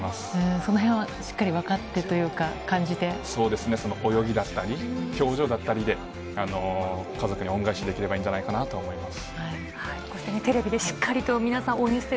そのへんはしっかり分かってそうですね、その泳ぎだったり、表情だったりで、家族に恩返しできればいいんじゃないかなと思います。